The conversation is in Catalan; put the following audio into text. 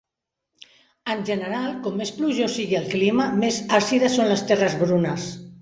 En general com més plujós sigui el clima més àcides són les terres brunes.